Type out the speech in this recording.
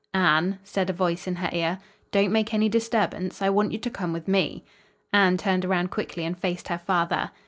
"Anne," said a voice in her ear, "don't make any disturbance. I want you to come with me." Anne turned around quickly and faced her father.